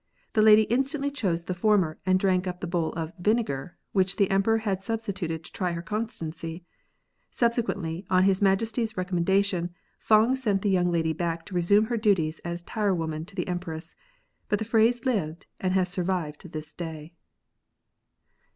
The lady instantly chose the former, and drank up the bowl of vinegar, which the Emperor had substituted to try her constancy. Subsequently, on his Majesty's recommendation, Fang sent the young lady back to resume her duties as tire woman to the Empress. But the phrase lived, and has survived to this day.